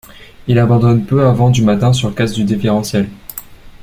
Il abandonne peu avant du matin sur casse du différentiel.